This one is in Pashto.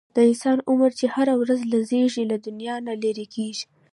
د انسان عمر چې هره ورځ لږیږي، له دنیا نه لیري کیږي